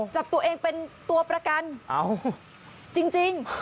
จับตัวเองเป็นตัวประกันจริง